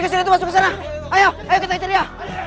pencuri kesini masuk kesana ayo kita cari dia